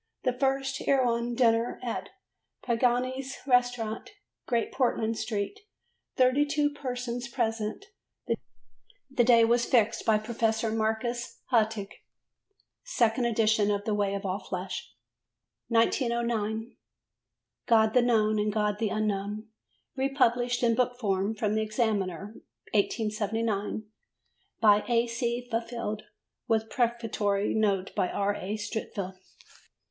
The first Erewhon dinner at Pagani's Restaurant, Great Portland Street; 32 persons present: the day was fixed by Professor Marcus Hartog. Second Edition of The Way of All Flesh. 1909. God the Known and God the Unknown republished in book form from the Examiner (1879) by A. C. Fifield, with prefatory note by R. A. Streatfeild.